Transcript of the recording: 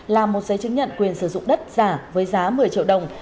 làm một giấy chứng nhận quyền sử dụng đất giả với giá một mươi triệu đồng